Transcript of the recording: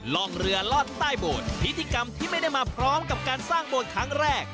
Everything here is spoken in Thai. ล่องเรือลอดใต้โบสถ์พิธีกรรมที่ไม่ได้มาพร้อมกับการสร้างโบสถ์ครั้งแรก